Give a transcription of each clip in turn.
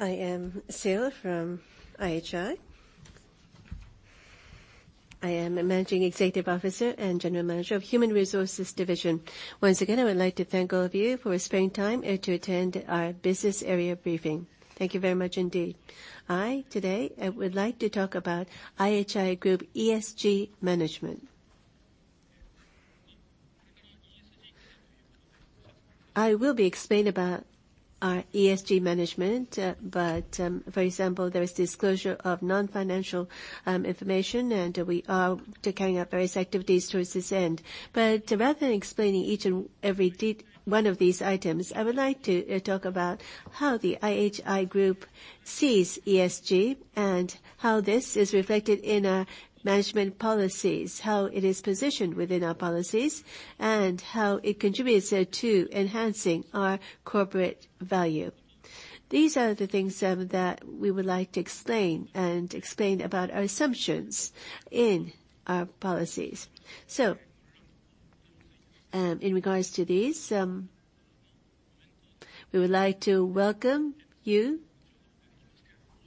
I am Akihiro Seo from IHI. I am a Managing Executive Officer and General Manager of Human Resources Division. Once again, I would like to thank all of you for spending time to attend our business area briefing. Thank you very much indeed. Today, I would like to talk about IHI Group ESG management. I will be explaining about our ESG management, but for example, there is disclosure of non-financial information, and we are carrying out various activities towards this end. But rather than explaining each and every one of these items, I would like to talk about how the IHI Group sees ESG, and how this is reflected in our management policies, how it is positioned within our policies, and how it contributes to enhancing our corporate value. These are the things, that we would like to explain, and explain about our assumptions in our policies. So, in regards to these, we would like to welcome you,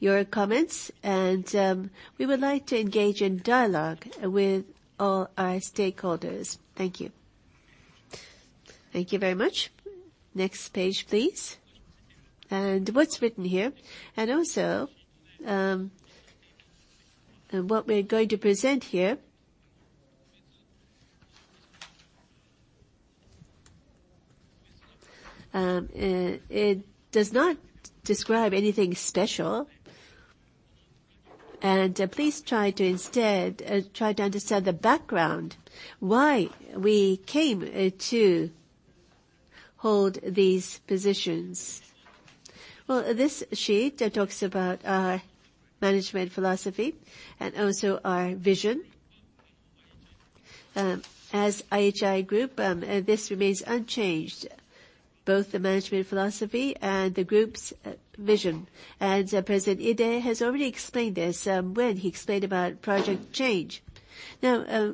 your comments, and, we would like to engage in dialogue with all our stakeholders. Thank you. Thank you very much. Next page, please. And what's written here, and also, what we're going to present here. It does not describe anything special. And, please try to instead, try to understand the background, why we came, to hold these positions. Well, this sheet talks about our management philosophy and also our vision. As IHI Group, this remains unchanged, both the management philosophy and the group's, vision. And, President Ide has already explained this, when he explained about Project Change. Now,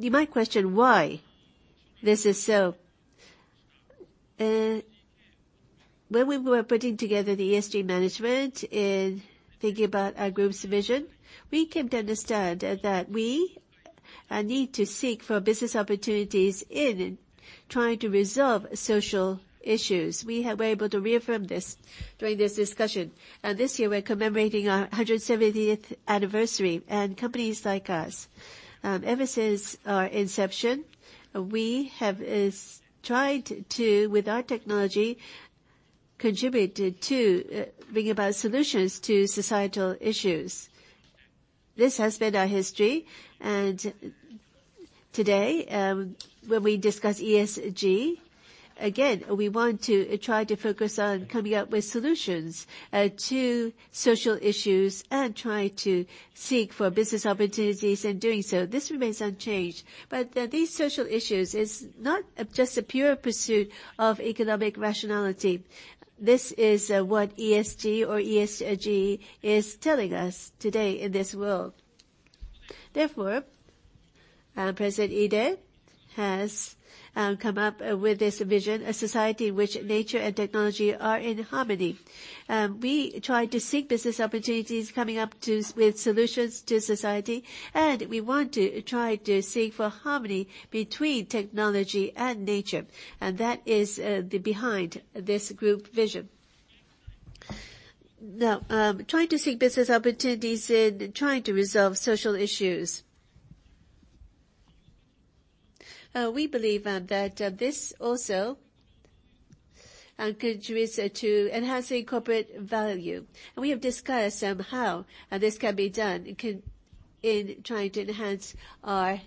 you might question why this is so. When we were putting together the ESG management and thinking about our group's vision, we came to understand that we, need to seek for business opportunities in trying to resolve social issues. We were able to reaffirm this during this discussion. And this year, we're commemorating our 170th anniversary. And companies like us, ever since our inception, we have tried to, with our technology, contributed to, bringing about solutions to societal issues. This has been our history, and today, when we discuss ESG, again, we want to try to focus on coming up with solutions, to social issues, and try to seek for business opportunities in doing so. This remains unchanged. But, these social issues is not just a pure pursuit of economic rationality. This is what ESG is telling us today in this world. Therefore, President Ide has come up with this vision, "A society in which nature and technology are in harmony." We try to seek business opportunities coming up with solutions to society, and we want to try to seek for harmony between technology and nature, and that is the behind this group vision. Now, trying to seek business opportunities and trying to resolve social issues. We believe that this also contributes to enhancing corporate value. We have discussed how this can be done in trying to enhance our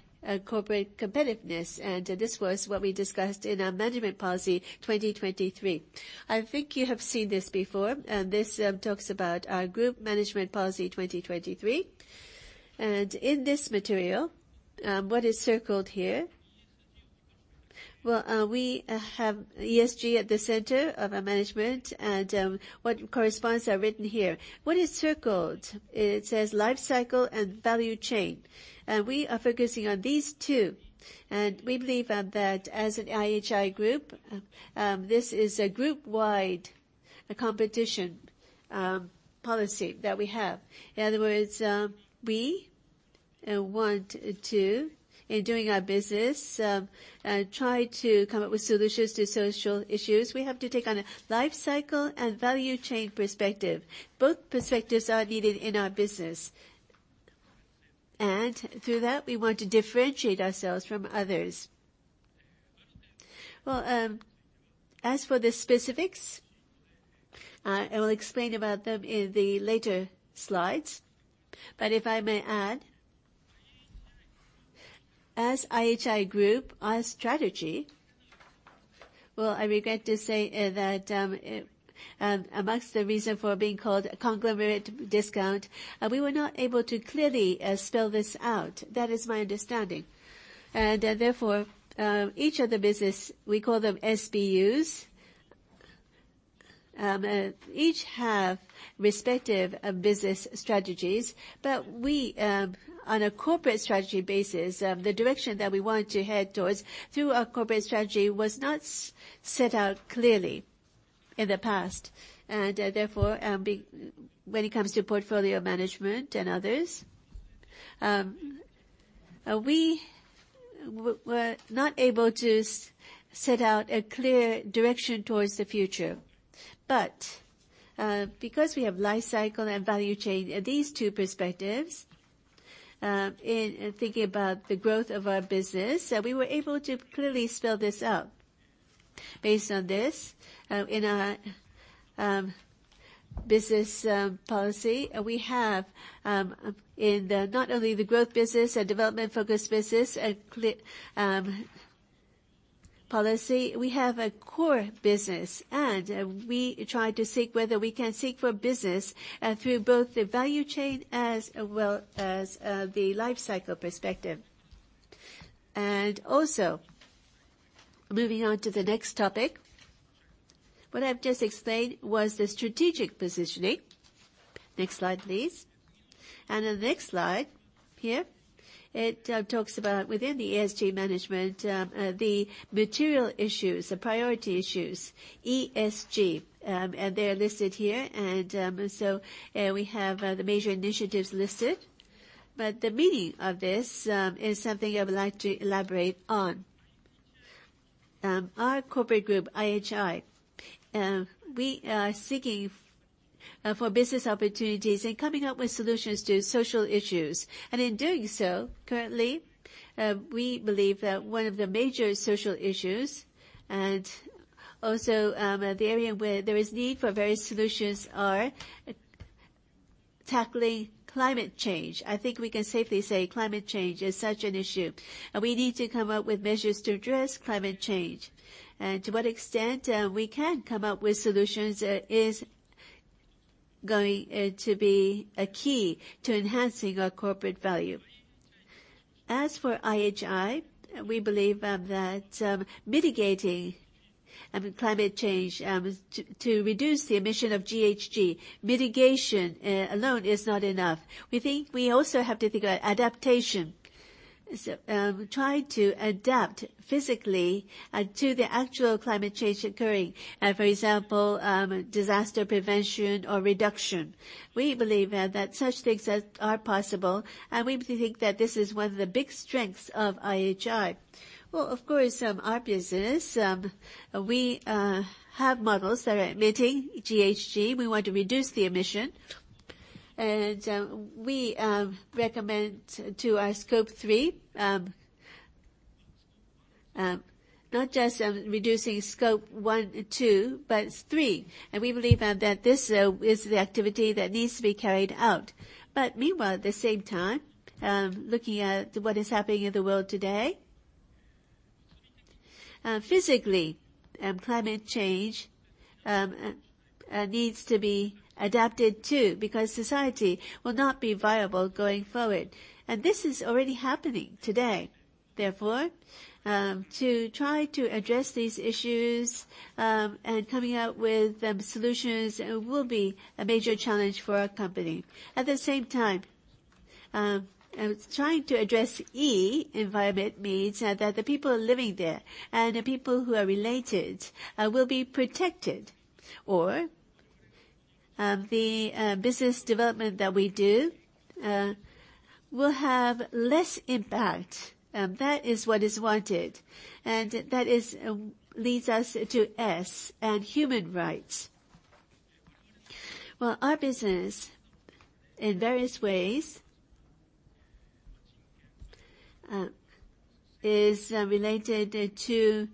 corporate competitiveness, and this was what we discussed in our management policy 2023. I think you have seen this before, and this talks about our group management policy 2023. In this material, what is circled here... Well, we have ESG at the center of our management, and what corresponds are written here. What is circled, it says, "Life cycle and value chain." We are focusing on these two, and we believe that as an IHI Group, this is a group-wide competition policy that we have. In other words, we want to, in doing our business, try to come up with solutions to social issues. We have to take on a life cycle and value chain perspective. Both perspectives are needed in our business, and through that, we want to differentiate ourselves from others. Well, as for the specifics, I will explain about them in the later slides. But if I may add, as IHI Group, our strategy, well, I regret to say, that, among the reason for being called conglomerate discount, we were not able to clearly spell this out. That is my understanding. And therefore, each of the business, we call them SBUs, each have respective business strategies. But we, on a corporate strategy basis, the direction that we want to head towards through our corporate strategy was not set out clearly in the past, and, therefore, when it comes to portfolio management and others, we were not able to set out a clear direction towards the future. But, because we have life cycle and value chain, these two perspectives, in thinking about the growth of our business, so we were able to clearly spell this out. Based on this, in our business policy, we have in not only the growth business and development-focused business, a clear policy. We have a core business, and we try to seek whether we can seek for business through both the value chain as well as the life cycle perspective. Also, moving on to the next topic. What I've just explained was the strategic positioning. Next slide, please. The next slide here, it talks about within the ESG management, the material issues, the priority issues, ESG, and they are listed here. We have the major initiatives listed, but the meaning of this is something I would like to elaborate on. Our corporate group, IHI, we are seeking for business opportunities and coming up with solutions to social issues. And in doing so, currently, we believe that one of the major social issues, and also, the area where there is need for various solutions, are tackling climate change. I think we can safely say climate change is such an issue, and we need to come up with measures to address climate change. And to what extent we can come up with solutions is going to be a key to enhancing our corporate value. As for IHI, we believe that mitigating, I mean, climate change to reduce the emission of GHG, mitigation alone is not enough. We think we also have to think about adaptation. So, try to adapt physically to the actual climate change occurring. For example, disaster prevention or reduction. We believe that such things as are possible, and we think that this is one of the big strengths of IHI. Well, of course, our business, we have models that are emitting GHG. We want to reduce the emission, and we recommend to our Scope three, not just reducing Scope one and two, but three. We believe that this is the activity that needs to be carried out. But meanwhile, at the same time, looking at what is happening in the world today, physically, climate change needs to be adapted too, because society will not be viable going forward. This is already happening today. Therefore, to try to address these issues, and coming up with solutions will be a major challenge for our company. At the same time, trying to address E, environment, means that the people living there and the people who are related will be protected, or the business development that we do will have less impact. That is what is wanted, and that is leads us to S and human rights. Well, our business, in various ways, is related to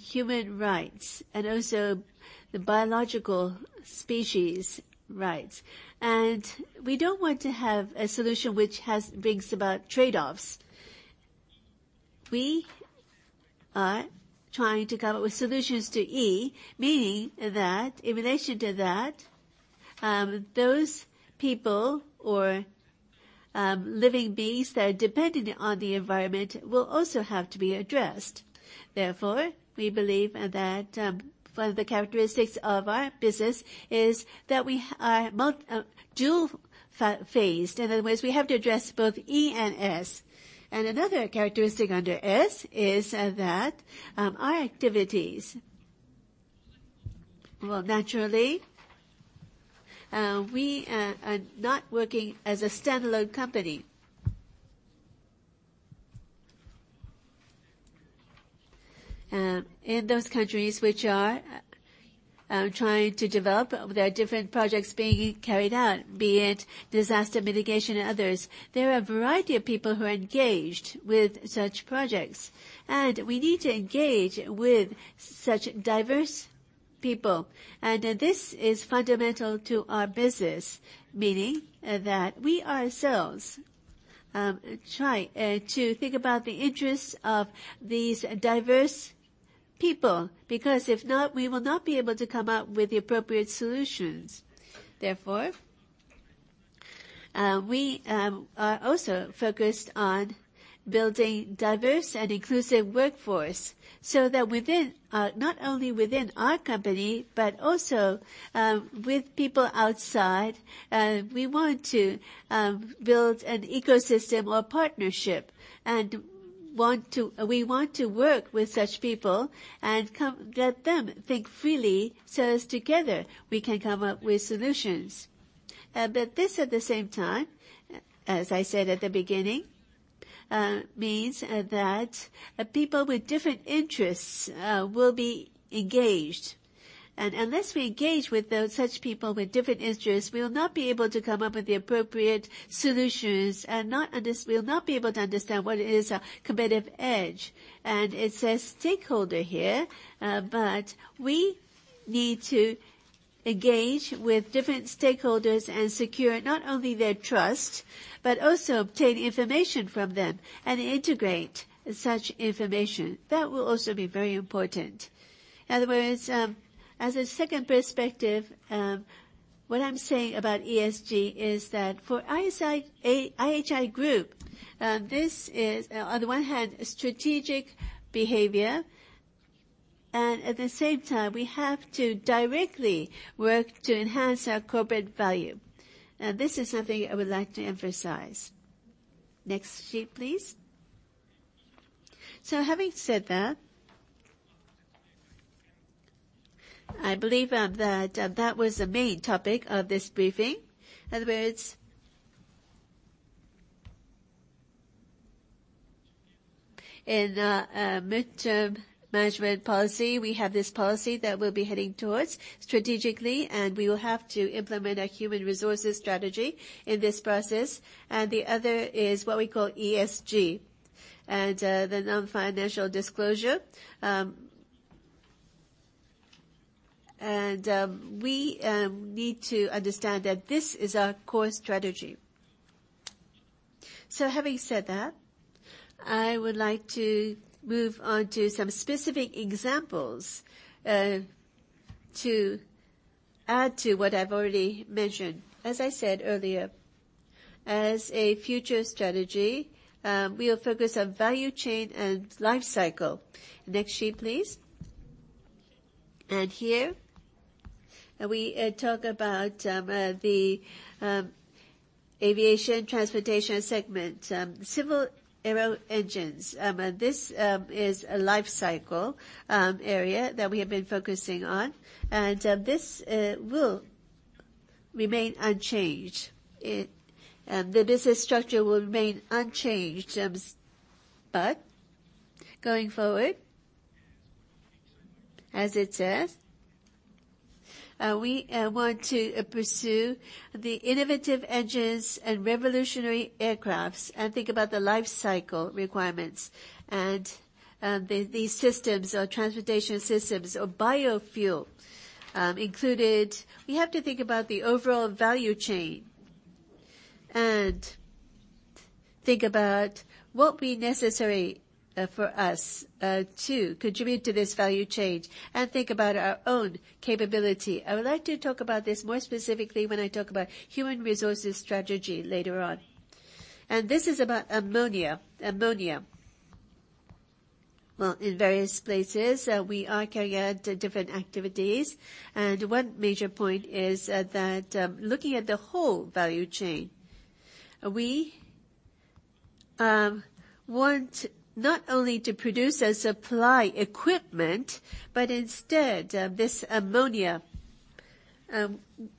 human rights and also the biological species rights. We don't want to have a solution which has brings about trade-offs. We are trying to come up with solutions to E, meaning that in relation to that, those people or living beings that are dependent on the environment will also have to be addressed. Therefore, we believe that one of the characteristics of our business is that we are dual-phased. In other words, we have to address both E and S. And another characteristic under S is that our activities, well, naturally, we are not working as a standalone company. In those countries which are trying to develop, there are different projects being carried out, be it disaster mitigation and others. There are a variety of people who are engaged with such projects, and we need to engage with such diverse people. This is fundamental to our business, meaning that we ourselves try to think about the interests of these diverse people, because if not, we will not be able to come up with the appropriate solutions. Therefore, we are also focused on building diverse and inclusive workforce, so that within not only within our company, but also with people outside. We want to build an ecosystem or partnership, and we want to work with such people and let them think freely, so as together we can come up with solutions. But this, at the same time, as I said at the beginning, means that people with different interests will be engaged. And unless we engage with those, such people with different interests, we will not be able to come up with the appropriate solutions, and we'll not be able to understand what is a competitive edge. And it says, stakeholder here, but we need to engage with different stakeholders and secure not only their trust, but also obtain information from them and integrate such information. That will also be very important. In other words, as a second perspective, what I'm saying about ESG is that for IHI group, this is, on the one hand, a strategic behavior, and at the same time, we have to directly work to enhance our corporate value. And this is something I would like to emphasize. Next sheet, please. Having said that, I believe that was the main topic of this briefing. In other words, in mid-term management policy, we have this policy that we'll be heading towards strategically, and we will have to implement a human resources strategy in this process. And the other is what we call ESG, and the non-financial disclosure. And we need to understand that this is our core strategy. So having said that, I would like to move on to some specific examples to add to what I've already mentioned. As I said earlier, as a future strategy, we'll focus on value chain and life cycle. Next sheet, please. And here, we talk about the aviation transportation segment, civil aero engines. And this is a life cycle area that we have been focusing on, and this will remain unchanged. The business structure will remain unchanged. But going forward, as it says, we want to pursue the innovative engines and revolutionary aircrafts, and think about the life cycle requirements. These systems or transportation systems or biofuel included, we have to think about the overall value chain, and think about what be necessary for us to contribute to this value chain, and think about our own capability. I would like to talk about this more specifically when I talk about human resources strategy later on. This is about ammonia. Ammonia. Well, in various places, we are carrying out different activities. One major point is that looking at the whole value chain, we want not only to produce and supply equipment, but instead this ammonia.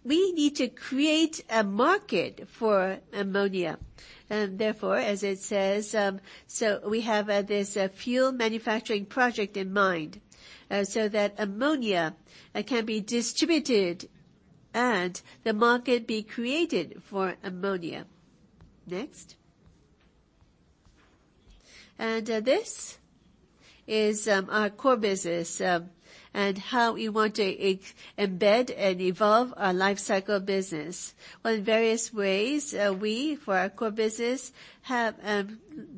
We need to create a market for ammonia. And therefore, as it says, so we have this fuel manufacturing project in mind, so that ammonia can be distributed and the market be created for ammonia. Next. And this is our core business, and how we want to embed and evolve our lifecycle business. Well, in various ways, we, for our core business, have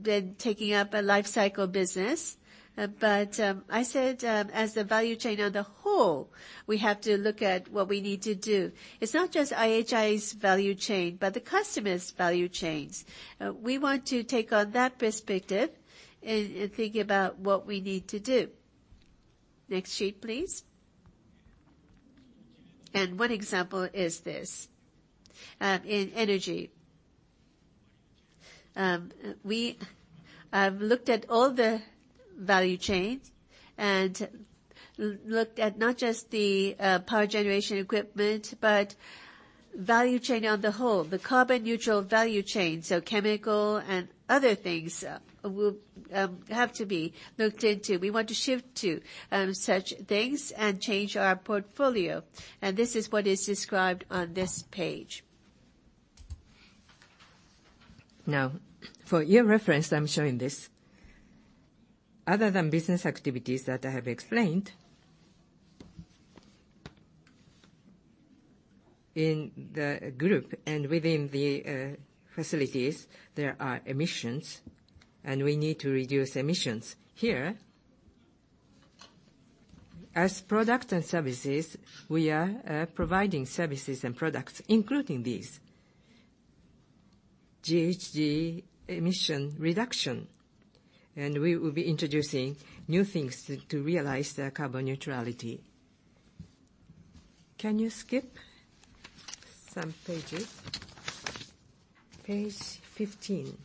been taking up a lifecycle business. But I said, as the value chain on the whole, we have to look at what we need to do. It's not just IHI's value chain, but the customer's value chains. We want to take on that perspective and think about what we need to do. Next sheet, please. And one example is this in energy. We looked at all the value chains and looked at not just the power generation equipment, but value chain on the whole, the carbon neutral value chain. So chemical and other things will have to be looked into. We want to shift to such things and change our portfolio. And this is what is described on this page. Now, for your reference, I'm showing this. Other than business activities that I have explained, in the group and within the facilities, there are emissions, and we need to reduce emissions. Here, as products and services, we are providing services and products, including these, GHG emission reduction, and we will be introducing new things to realize the carbon neutrality. Can you skip some pages? Page 15.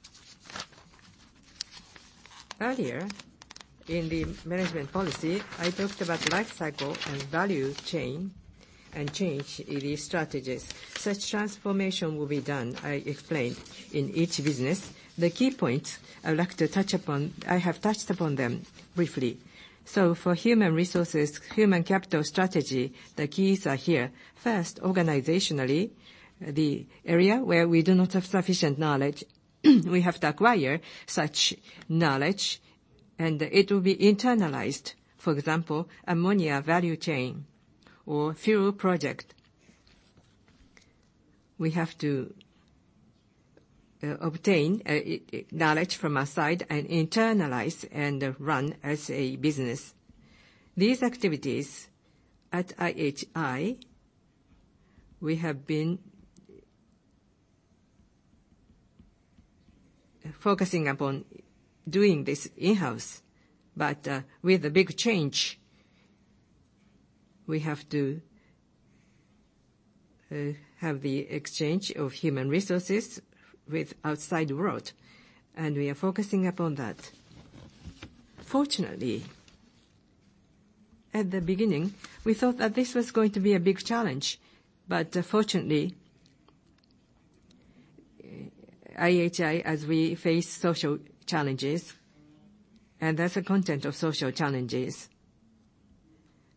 Earlier, in the management policy, I talked about life cycle and value chain, and change in the strategies. Such transformation will be done, I explained, in each business. The key points I would like to touch upon, I have touched upon them briefly. So for human resources, human capital strategy, the keys are here. First, organizationally, the area where we do not have sufficient knowledge, we have to acquire such knowledge, and it will be internalized. For example, ammonia value chain or fuel project. We have to obtain knowledge from our side, and internalize, and run as a business. These activities at IHI, we have been focusing upon doing this in-house, but with a big change, we have to have the exchange of human resources with outside world, and we are focusing upon that. Fortunately, at the beginning, we thought that this was going to be a big challenge, but fortunately, IHI, as we face social challenges, and that's the content of social challenges,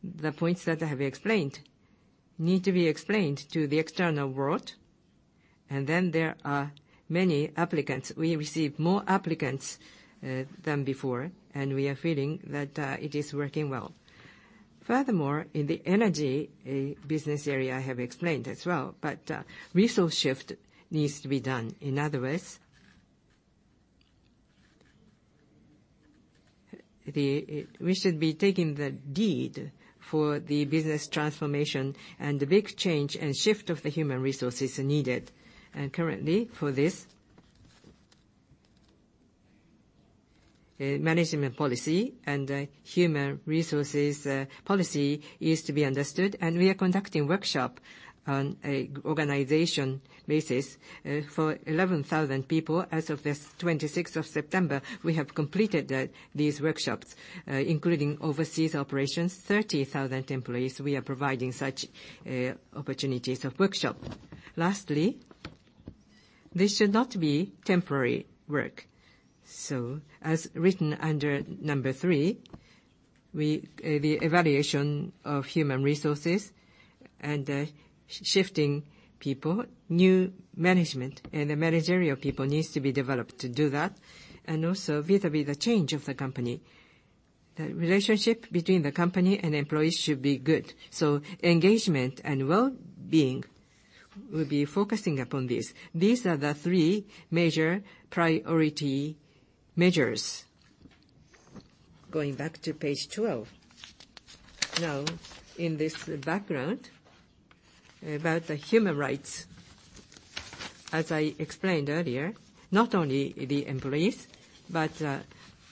the points that I have explained need to be explained to the external world, and then there are many applicants. We receive more applicants than before, and we are feeling that it is working well. Furthermore, in the energy business area, I have explained as well, but resource shift needs to be done. In other words, we should be taking the deed for the business transformation, and the big change and shift of the human resources are needed. Currently, for this, a management policy and human resources policy is to be understood, and we are conducting workshops on an organization basis. For 11,000 people, as of the 26th of September, we have completed these workshops. Including overseas operations, 30,000 employees, we are providing such opportunities of workshop. Lastly, this should not be temporary work, so as written under number three, we, the evaluation of human resources and shifting people, new management, and the managerial people needs to be developed to do that. And also, vis-à-vis the change of the company, the relationship between the company and employees should be good, so engagement and wellbeing, we'll be focusing upon this. These are the three major priority measures. Going back to page 12. Now, in this background, about the human rights, as I explained earlier, not only the employees, but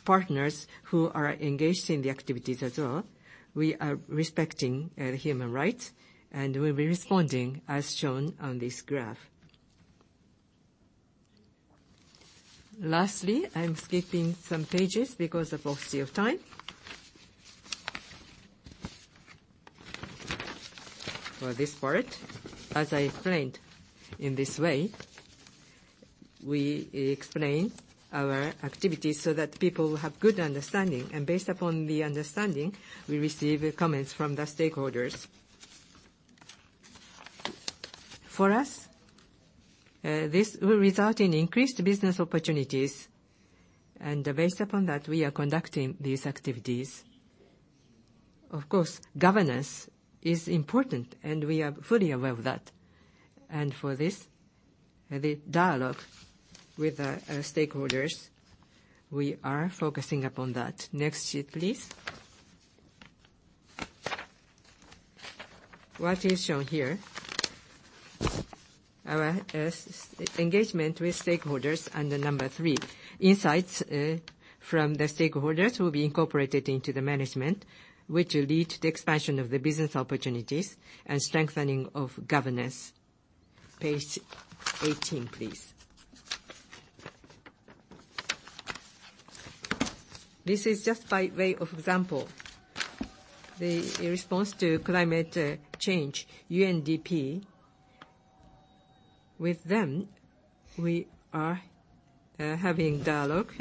partners who are engaged in the activities as well, we are respecting human rights, and we'll be responding as shown on this graph. Lastly, I'm skipping some pages because of paucity of time. For this part, as I explained, in this way, we explain our activities so that people will have good understanding, and based upon the understanding, we receive comments from the stakeholders. For us, this will result in increased business opportunities, and based upon that, we are conducting these activities. Of course, governance is important, and we are fully aware of that. And for this, the dialogue with our stakeholders, we are focusing upon that. Next sheet, please. What is shown here, our engagement with stakeholders under number three. Insights from the stakeholders will be incorporated into the management, which will lead to the expansion of the business opportunities and strengthening of governance. Page 18, please. This is just by way of example, the response to climate change, UNDP. With them, we are having dialogue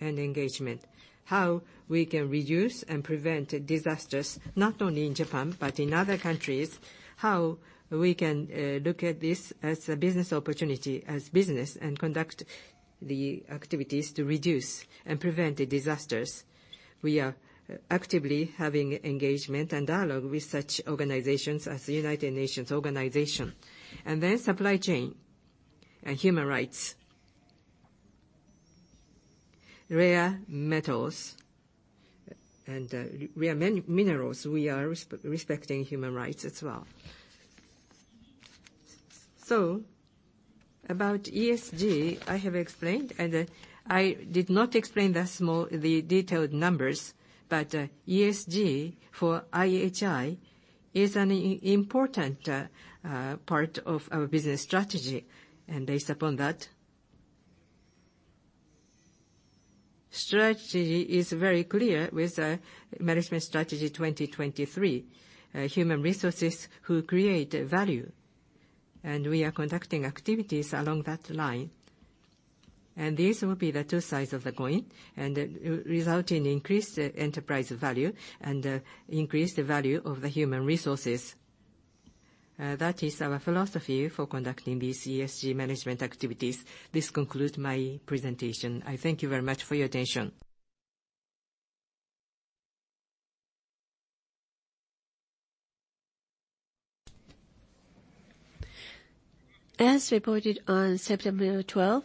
and engagement. How we can reduce and prevent disasters, not only in Japan, but in other countries. How we can look at this as a business opportunity, as business, and conduct the activities to reduce and prevent the disasters. We are actively having engagement and dialogue with such organizations as the United Nations organization. And then supply chain and human rights. Rare metals and rare minerals, we are respecting human rights as well. ...So about ESG, I have explained, and, I did not explain the small, the detailed numbers, but, ESG for IHI is an important part of our business strategy. Based upon that, strategy is very clear with the management strategy 2023. Human resources who create value, and we are conducting activities along that line. These will be the two sides of the coin, and, result in increased enterprise value and, increase the value of the human resources. That is our philosophy for conducting these ESG management activities. This concludes my presentation. I thank you very much for your attention. As reported on September 12,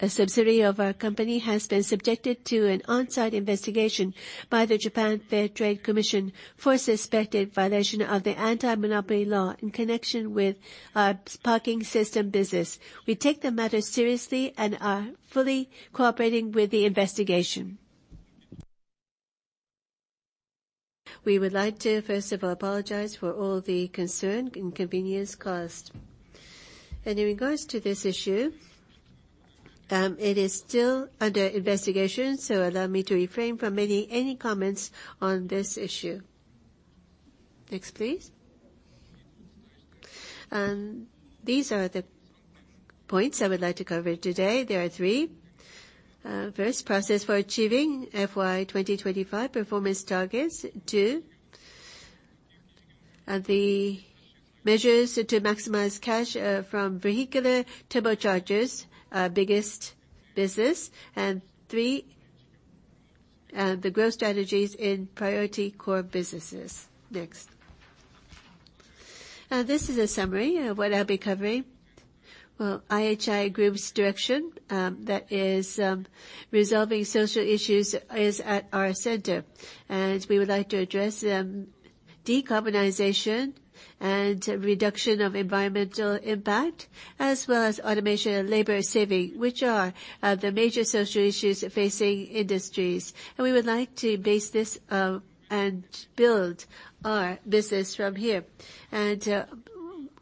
a subsidiary of our company has been subjected to an on-site investigation by the Japan Fair Trade Commission for suspected violation of the anti-monopoly law in connection with our parking system business. We take the matter seriously and are fully cooperating with the investigation. We would like to, first of all, apologize for all the concern and inconvenience caused. In regards to this issue, it is still under investigation, so allow me to refrain from making any comments on this issue. Next, please. These are the points I would like to cover today. There are three. First, process for achieving FY 2025 performance targets. two, the measures to maximize cash from vehicular turbochargers, our biggest business. And three, the growth strategies in priority core businesses. Next. Now, this is a summary of what I'll be covering. Well, IHI Group's direction, that is, resolving social issues, is at our center, and we would like to address, decarbonization and reduction of environmental impact, as well as automation and labor saving, which are, the major social issues facing industries. We would like to base this, and build our business from here. And,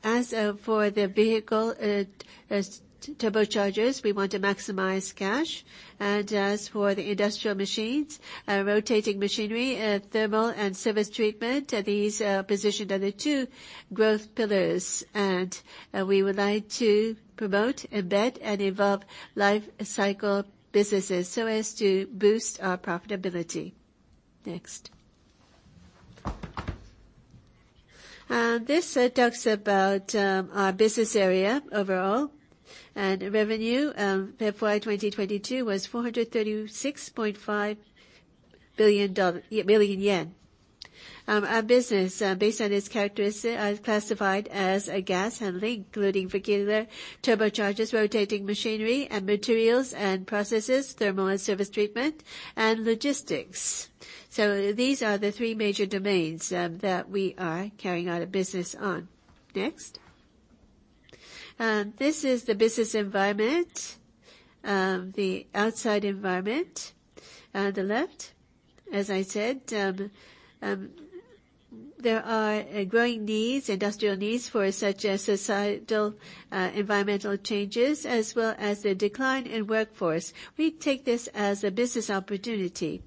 as for the vehicle, vehicular turbochargers, we want to maximize cash. And as for the industrial machines, rotating machinery, and thermal and surface treatment, these are positioned as the two growth pillars. And, we would like to promote, embed, and evolve life cycle businesses so as to boost our profitability. Next. This talks about, our business area overall, and revenue, FY 2022 was JPY 436.5 billion. Our business, based on its characteristic, are classified as a gas handling, including vehicular turbochargers, rotating machinery and materials and processes, thermal and surface treatment, and logistics. So these are the three major domains that we are carrying out a business on. Next. This is the business environment, the outside environment. On the left, as I said, there are growing needs, industrial needs for such as societal environmental changes, as well as the decline in workforce. We take this as a business opportunity.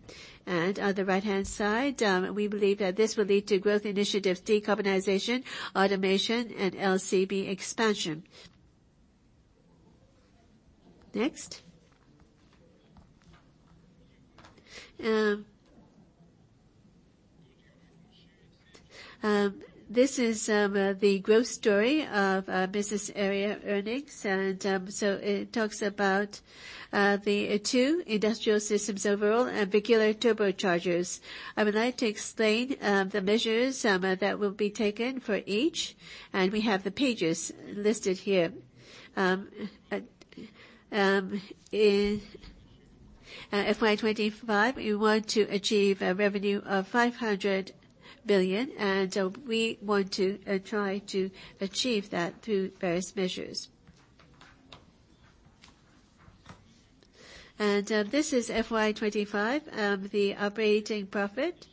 And on the right-hand side, we believe that this will lead to growth initiatives, decarbonization, automation, and LCB expansion. Next. This is the growth story of business area earnings. And so it talks about the two industrial systems overall and vehicular turbochargers. I would like to explain the measures that will be taken for each, and we have the pages listed here. In FY 2025, we want to achieve a revenue of 500 billion, and we want to try to achieve that through various measures. This is FY 2025, the operating profit,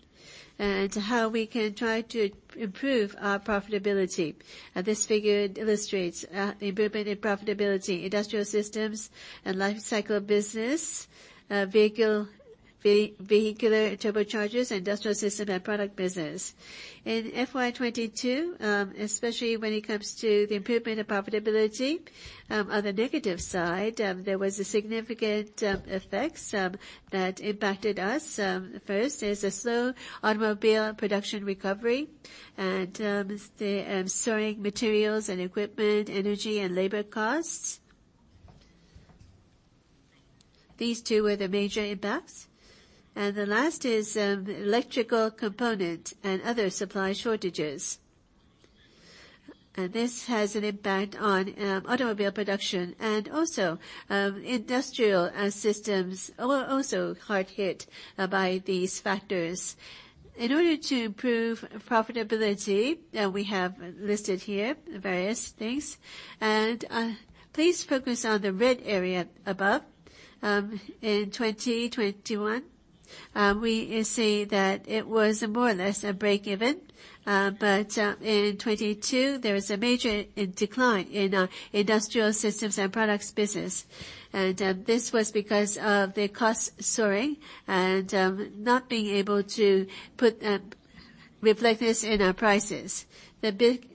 and how we can try to improve our profitability. This figure illustrates improvement in profitability, industrial systems and life cycle business, vehicle, vehicular turbochargers, industrial system, and product business. In FY 2022, especially when it comes to the improvement of profitability, on the negative side, there was a significant effects that impacted us. First, there's a slow automobile production recovery and the soaring materials and equipment, energy, and labor costs. These two were the major impacts. And the last is, electrical component and other supply shortages. And this has an impact on, automobile production, and also, industrial systems are also hard hit by these factors. In order to improve profitability, we have listed here various things, and, please focus on the red area above. In 2021, we see that it was more or less a break even, but, in 2022, there was a major decline in our industrial systems and products business. And, this was because of the cost soaring and, not being able to reflect this in our prices. The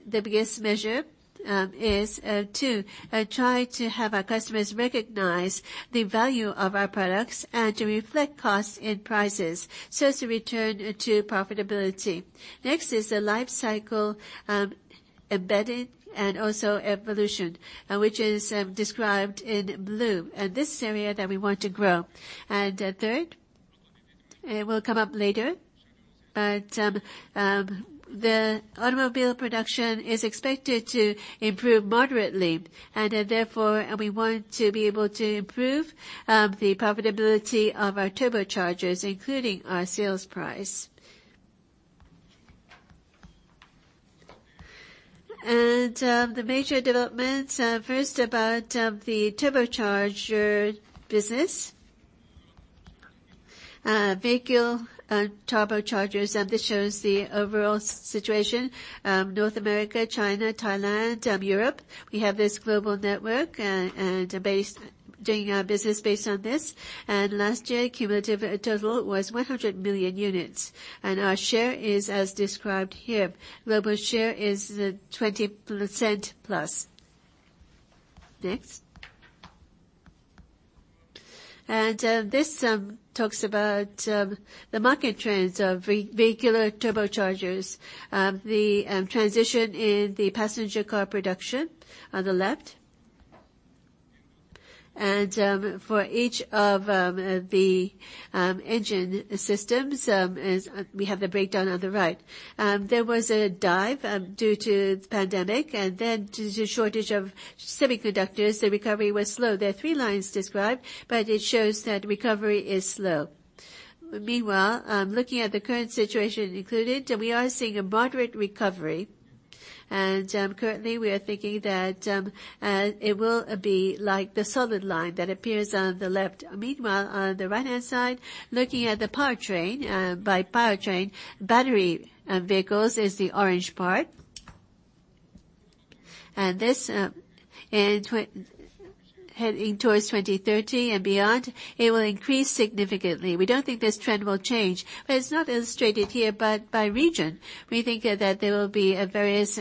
biggest measure is to try to have our customers recognize the value of our products and to reflect costs in prices, so as to return to profitability. Next is the life cycle, embedded and also evolution, which is described in blue, and this area that we want to grow. And, third, it will come up later, but, the automobile production is expected to improve moderately, and, therefore, we want to be able to improve the profitability of our turbochargers, including our sales price. And, the major developments, first about the turbocharger business. Vehicle and turbochargers, and this shows the overall situation. North America, China, Thailand, Europe, we have this global network, and based, doing our business based on this. And last year, cumulative total was 100 million units, and our share is, as described here. Global share is 20%+. Next. And, this talks about the market trends of vehicular turbochargers. The transition in the passenger car production on the left. And, for each of the engine systems, we have the breakdown on the right. There was a dive due to the pandemic, and then due to shortage of semiconductors, the recovery was slow. There are three lines described, but it shows that recovery is slow. Meanwhile, looking at the current situation included, we are seeing a moderate recovery, and, currently, we are thinking that it will be like the solid line that appears on the left. Meanwhile, on the right-hand side, looking at the powertrain, by powertrain, battery vehicles is the orange part. And this, and heading towards 2030 and beyond, it will increase significantly. We don't think this trend will change, but it's not illustrated here, but by region, we think that there will be various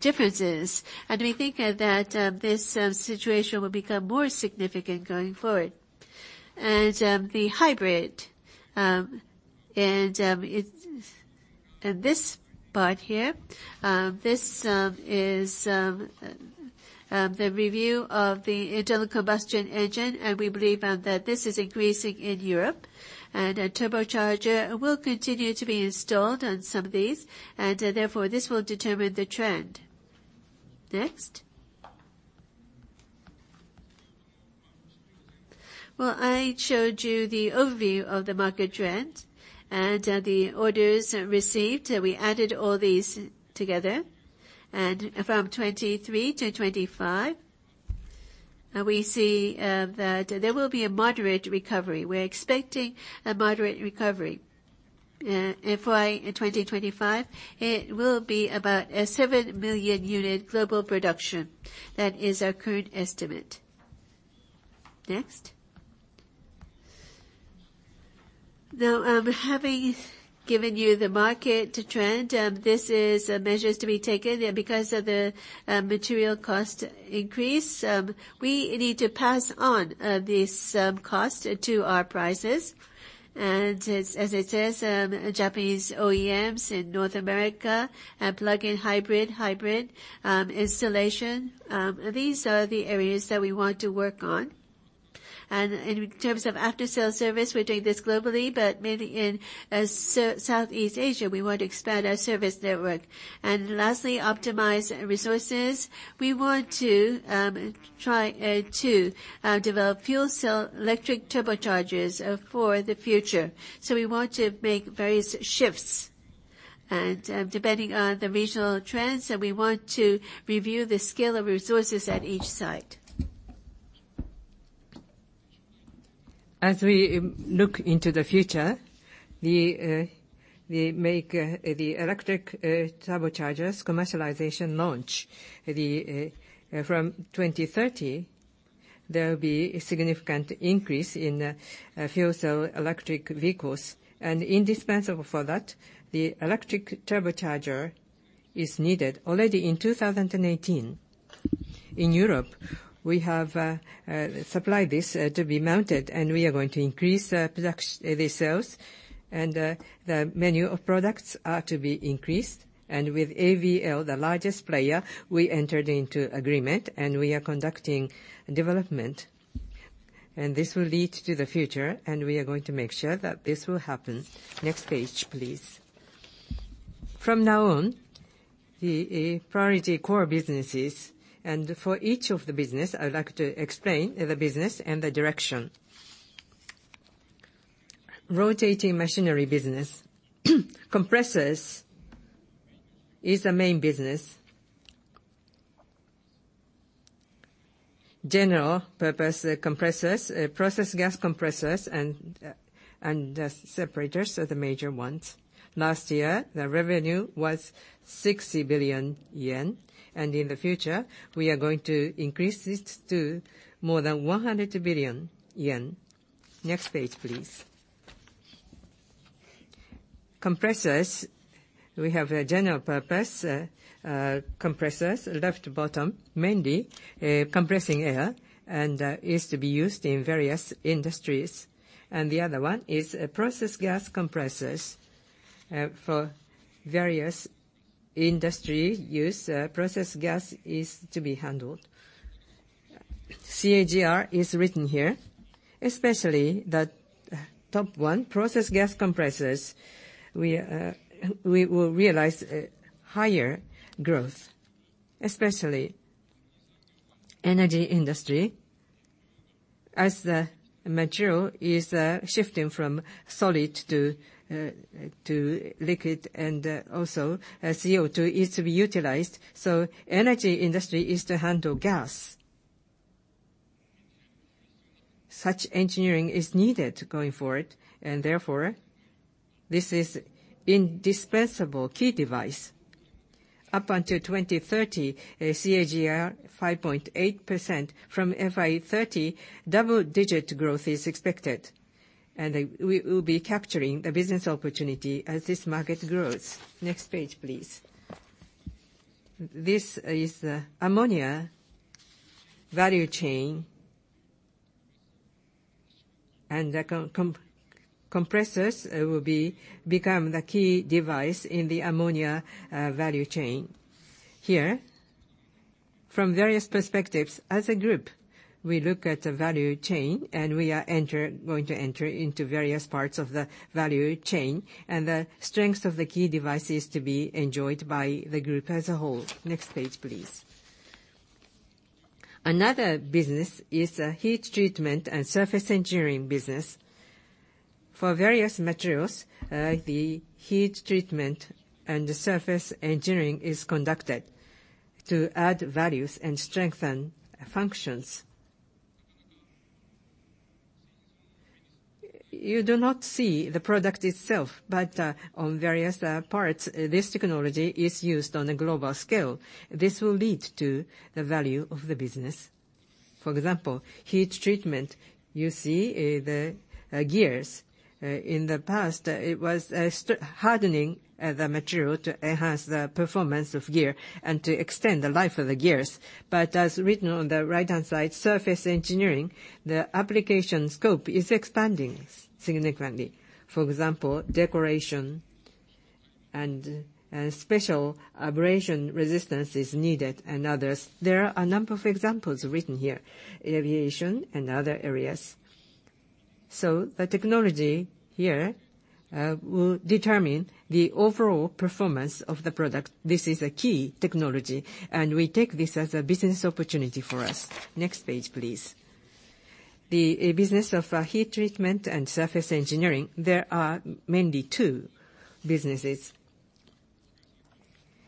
differences, and we think that this situation will become more significant going forward. And the hybrid and it. And this part here this is the review of the internal combustion engine, and we believe that this is increasing in Europe, and a turbocharger will continue to be installed on some of these, and therefore, this will determine the trend. Next. Well, I showed you the overview of the market trend and the orders received. We added all these together, and from 2023 to 2025, we see that there will be a moderate recovery. We're expecting a moderate recovery. And by 2025, it will be about a 7 billion-unit global production. That is our current estimate. Next. Now, having given you the market trend, this is measures to be taken, because of the material cost increase, we need to pass on this cost to our prices. And as it says, Japanese OEMs in North America, and plug-in hybrid, hybrid installation, these are the areas that we want to work on. And in terms of after-sale service, we're doing this globally, but mainly in Southeast Asia, we want to expand our service network. And lastly, optimize resources. We want to try to develop fuel cell electric turbochargers for the future. So we want to make various shifts. Depending on the regional trends, and we want to review the scale of resources at each site. As we look into the future, we make the electric turbochargers commercialization launch. From 2030, there will be a significant increase in fuel cell electric vehicles. And indispensable for that, the electric turbocharger is needed. Already in 2018, in Europe, we have supplied this to be mounted, and we are going to increase the sales, and the menu of products are to be increased. And with AVL, the largest player, we entered into agreement, and we are conducting development... And this will lead to the future, and we are going to make sure that this will happen. Next page, please. From now on, the priority core businesses, and for each of the business, I would like to explain the business and the direction. Rotating machinery business. Compressors is the main business. General purpose, compressors, process gas compressors and, and the separators are the major ones. Last year, the revenue was 60 billion yen, and in the future, we are going to increase this to more than 100 billion yen. Next page, please. Compressors, we have a general purpose, compressors, left bottom, mainly, compressing air and, is to be used in various industries. And the other one is, process gas compressors. For various industry use, process gas is to be handled. CAGR is written here, especially the, top one, process gas compressors. We, we will realize, higher growth, especially energy industry, as the material is, shifting from solid to, to liquid, and, also, CO2 is to be utilized. So energy industry is to handle gas. Such engineering is needed going forward, and therefore, this is indispensable key device. Up until 2030, CAGR 5.8% from FY 2030, double-digit growth is expected, and we will be capturing the business opportunity as this market grows. Next page, please. This is ammonia value chain, and the compressors will become the key device in the ammonia value chain. Here, from various perspectives, as a group, we look at the value chain, and we are going to enter into various parts of the value chain, and the strength of the key device is to be enjoyed by the group as a whole. Next page, please. Another business is heat treatment and surface engineering business. For various materials, the heat treatment and the surface engineering is conducted to add values and strengthen functions. You do not see the product itself, but, on various, parts, this technology is used on a global scale. This will lead to the value of the business. For example, heat treatment, you see, the, gears. In the past, it was, hardening the material to enhance the performance of gear and to extend the life of the gears. But as written on the right-hand side, surface engineering, the application scope is expanding significantly. For example, decoration and special abrasion resistance is needed and others. There are a number of examples written here, aviation and other areas. So the technology here, will determine the overall performance of the product. This is a key technology, and we take this as a business opportunity for us. Next page, please. The, business of, heat treatment and surface engineering, there are mainly two businesses.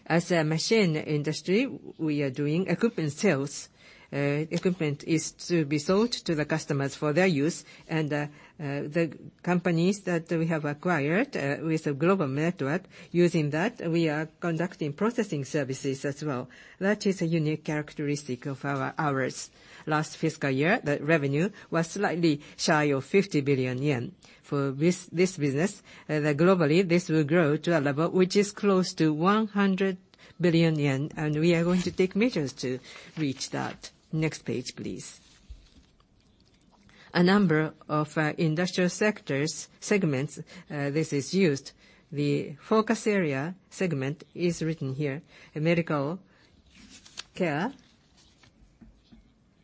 As a machine industry, we are doing equipment sales. Equipment is to be sold to the customers for their use, and, the companies that we have acquired, with a global network, using that, we are conducting processing services as well. That is a unique characteristic of our ours. Last fiscal year, the revenue was slightly shy of 50 billion yen. For this, this business, globally, this will grow to a level which is close to 100 billion yen, and we are going to take measures to reach that. Next page, please. A number of, industrial sectors, segments, this is used. The focus area segment is written here, medical care.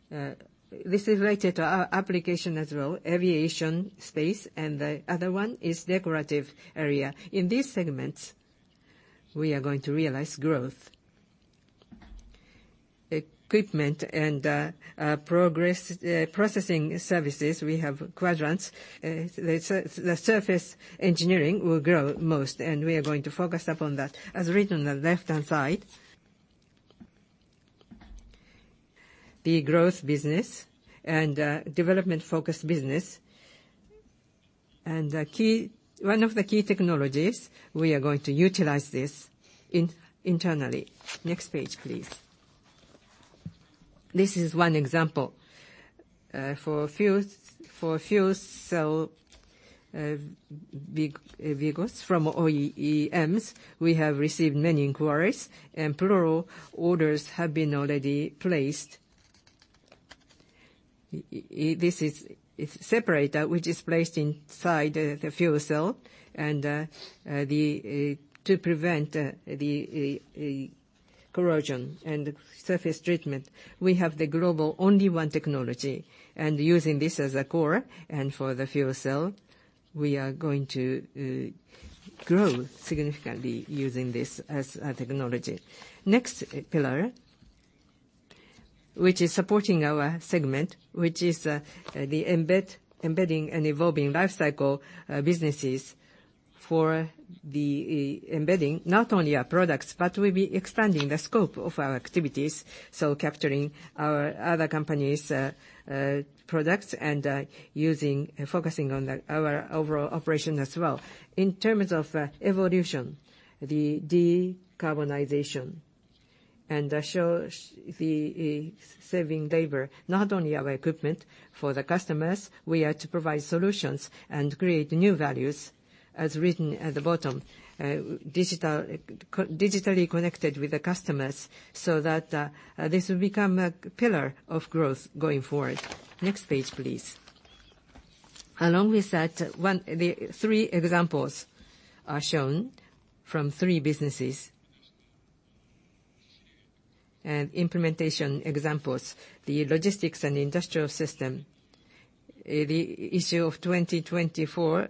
This is related to our application as well, aviation space, and the other one is decorative area. In these segments, we are going to realize growth. Equipment and progress processing services, we have quadrants. The surface engineering will grow most, and we are going to focus upon that. As read on the left-hand side, the growth business and development-focused business, and the key... One of the key technologies, we are going to utilize this internally. Next page, please. This is one example. For fuel cell vehicles from OEMs, we have received many inquiries, and plural orders have been already placed. This is, it's separator, which is placed inside the fuel cell and to prevent the corrosion and surface treatment, we have the global only one technology. And using this as a core and for the fuel cell, we are going to grow significantly using this as our technology. Next pillar, which is supporting our segment, which is the embedding and evolving lifecycle businesses. For the embedding, not only our products, but we'll be expanding the scope of our activities, so capturing our other company's products and using, focusing on our overall operation as well. In terms of evolution, the decarbonization and show the saving labor, not only our equipment. For the customers, we are to provide solutions and create new values, as written at the bottom. Digitally connected with the customers, so that this will become a pillar of growth going forward. Next page, please. Along with that, the three examples are shown from three businesses. Implementation examples, the logistics and industrial system. The issue of 2024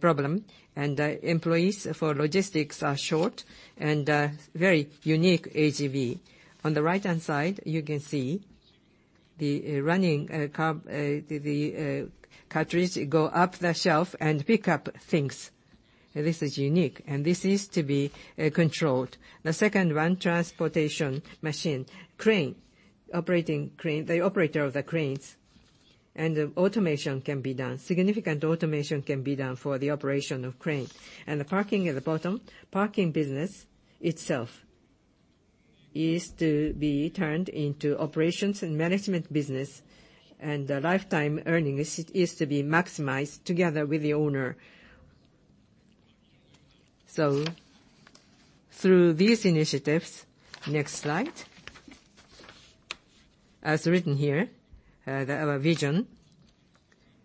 problem, and employees for logistics are short and very unique AGV. On the right-hand side, you can see the running cab, the cartridge go up the shelf and pick up things. This is unique, and this is to be controlled. The second one, transportation machine. Crane, operating crane, the operator of the cranes, and the automation can be done. Significant automation can be done for the operation of crane. The parking at the bottom, parking business itself is to be turned into operations and management business, and the lifetime earnings is to be maximized together with the owner. So through these initiatives, next slide. As written here, our vision,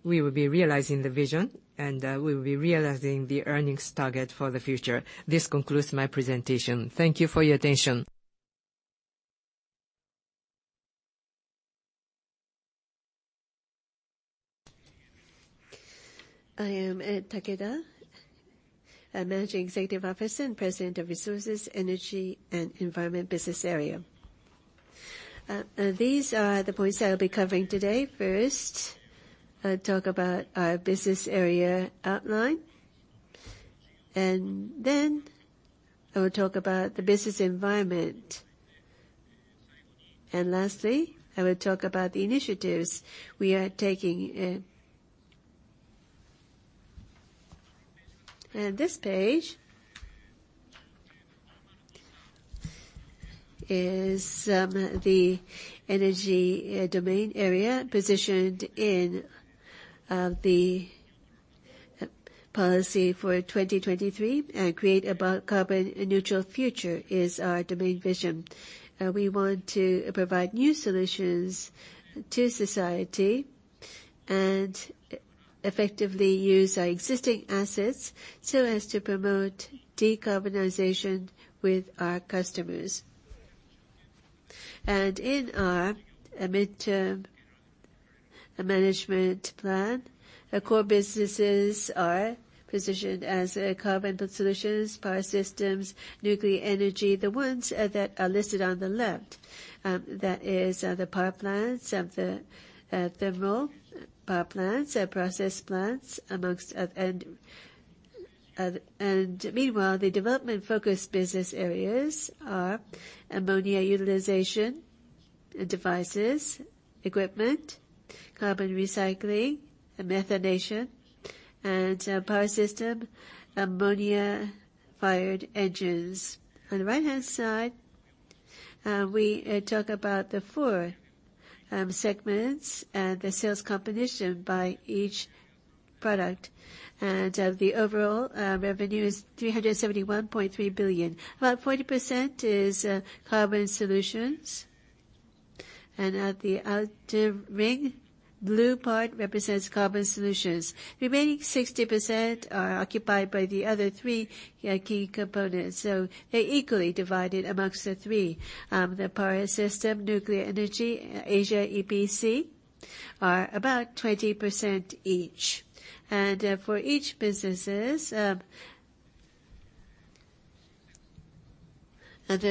we will be realizing the vision, and we will be realizing the earnings target for the future. This concludes my presentation. Thank you for your attention. I am Kouji Takeda, Managing Executive Officer and President of Resources, Energy and Environment Business Area. These are the points I will be covering today. First, I'll talk about our business area outline, and then I will talk about the business environment. Lastly, I will talk about the initiatives we are taking in. This page is the energy domain area positioned in the policy for 2023, and create a carbon neutral future is our domain vision. We want to provide new solutions to society, and effectively use our existing assets so as to promote decarbonization with our customers. In our midterm management plan, our core businesses are positioned as carbon solutions, power systems, nuclear energy, the ones that are listed on the left. That is, the power plants, the thermal power plants, process plants, amongst of, and, and meanwhile, the development-focused business areas are ammonia utilization, devices, equipment, carbon recycling, methanation, and, power system, ammonia-fired engines. On the right-hand side, we talk about the four segments and the sales composition by each product. The overall revenue is 371.3 billion. About 40% is carbon solutions, and at the outer ring, blue part represents carbon solutions. Remaining 60% are occupied by the other three key components, so they're equally divided amongst the three. The power system, nuclear energy, Asia EPC, are about 20% each. For each businesses, the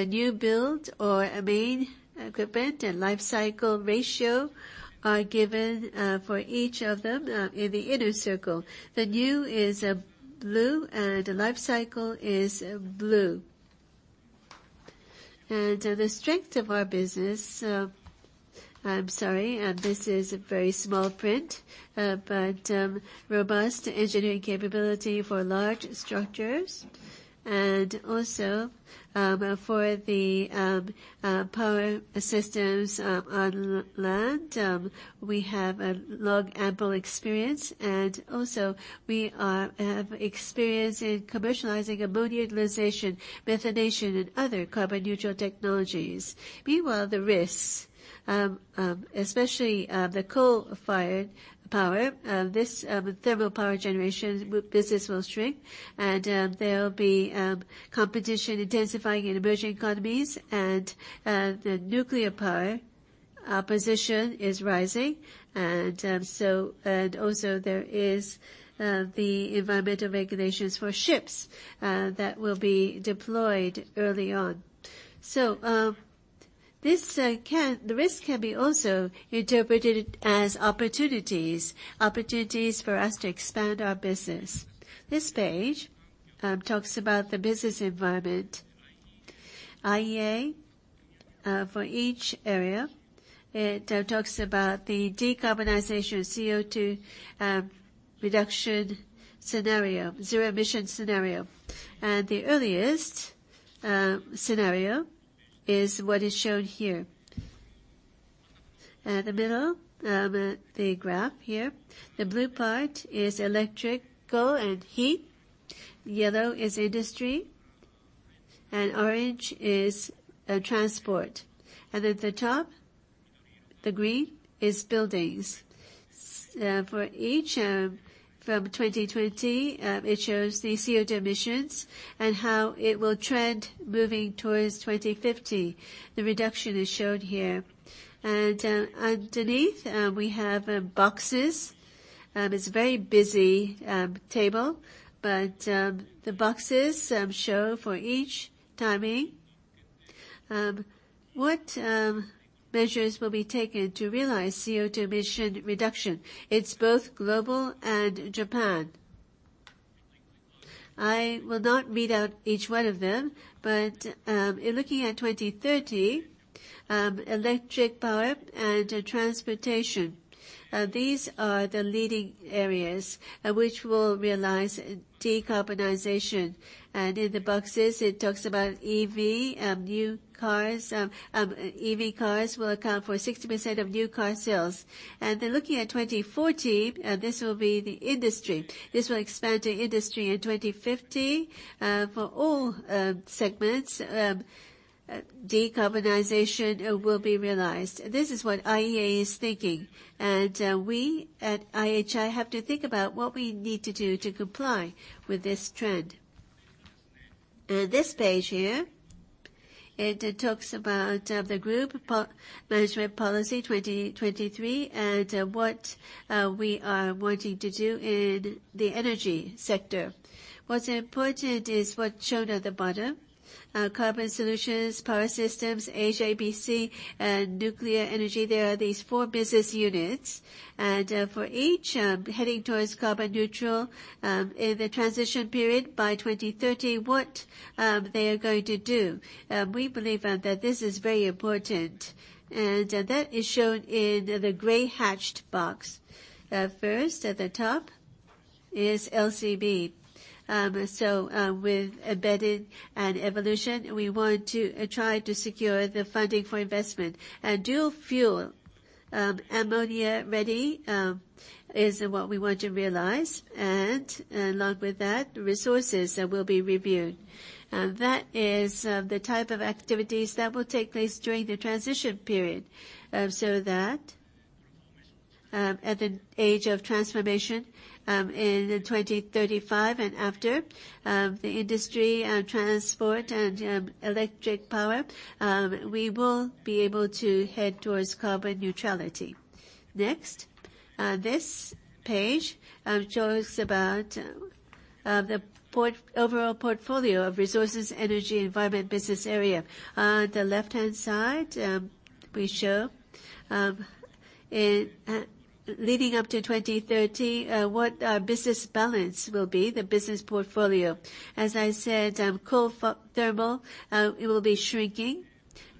new build or main equipment and lifecycle ratio are given, for each of them, in the inner circle. The new is blue, and the lifecycle is blue. The strength of our business... I'm sorry, this is a very small print, but robust engineering capability for large structures. And also, for the power systems, on land, we have a long, ample experience, and also, we have experience in commercializing ammonia utilization, methanation, and other carbon-neutral technologies. Meanwhile, the risks, especially, the coal-fired power, this, thermal power generation business will shrink, and, there'll be, competition intensifying in emerging economies, and, the nuclear power... Opposition is rising, and so and also there is the environmental regulations for ships that will be deployed early on. So, this the risk can be also interpreted as opportunities, opportunities for us to expand our business. This page talks about the business environment. IEA for each area, it talks about the decarbonization of CO2 reduction scenario, zero emission scenario. And the earliest scenario is what is shown here. At the middle of the graph here, the blue part is electrical and heat, yellow is industry, and orange is transport. And at the top, the green is buildings. For each from 2020 it shows the CO2 emissions and how it will trend moving towards 2050. The reduction is shown here. And underneath we have boxes. It's a very busy table, but the boxes show for each timing what measures will be taken to realize CO2 emission reduction. It's both global and Japan. I will not read out each one of them, but in looking at 2030, electric power and transportation, these are the leading areas which will realize decarbonization. And in the boxes, it talks about EV new cars. EV cars will account for 60% of new car sales. And then looking at 2040, this will be the industry. This will expand to industry in 2050. For all segments, decarbonization will be realized. This is what IEA is thinking, and we at IHI have to think about what we need to do to comply with this trend. This page here, it talks about the group management policy 2023, and what we are wanting to do in the energy sector. What's important is what's shown at the bottom. Carbon solutions, power systems, Asia EPC, and nuclear energy. There are these four business units, and for each, heading towards carbon neutral in the transition period by 2030, what they are going to do. We believe that this is very important, and that is shown in the gray hatched box. First, at the top is LCB. So, with embedded and evolution, we want to try to secure the funding for investment. And dual fuel, ammonia-ready, is what we want to realize, and along with that, the resources that will be reviewed. That is the type of activities that will take place during the transition period, so that at the age of transformation in 2035 and after, the industry and transport and electric power we will be able to head towards carbon neutrality. Next, this page shows about the overall portfolio of resources, energy, environment, business area. On the left-hand side, we show in leading up to 2030 what our business balance will be, the business portfolio. As I said, coal-fired thermal it will be shrinking,